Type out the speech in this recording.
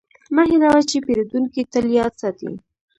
مه هېروه چې پیرودونکی تل یاد ساتي.